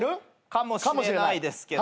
かもしれないですけど。